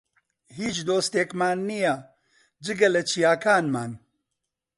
هیچ دۆستێکمان نییە، جگە لە چیاکانمان.